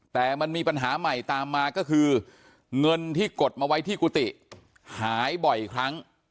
แต่มันมีปัญหาใหม่ตามมาก็คือเงินที่กดมาไว้ที่กุฏิหายบ่อยครั้ง